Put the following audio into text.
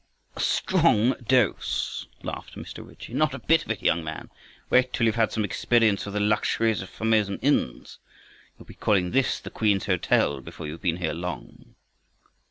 "A strong dose!" laughed Mr. Ritchie. "Not a bit of it, young man. Wait till you've had some experience of the luxuries of Formosan inns. You'll be calling this the Queen's Hotel, before you've been here long!"